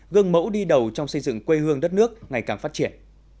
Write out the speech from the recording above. gương mẫu đi đầu trong xây dựng quê hương đất nước ngày càng phát triển